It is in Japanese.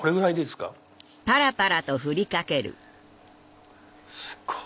すっごい！